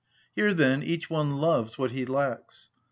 Here, then, each one loves what he lacks.